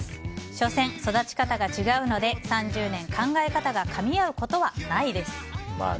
所詮、育ち方が違うので３０年考え方がかみ合うことはないです。